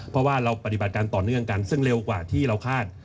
เพราะว่าเราปฏิบัติการต่อเนื่องกันซึ่งเร็วกว่าที่เราคาด